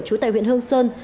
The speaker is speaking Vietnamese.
trú tại huyện hương sơn